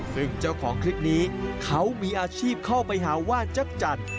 ซึ่งเจ้าของคลิปนี้เขามีอาชีพเข้าไปหาว่านจักรจันทร์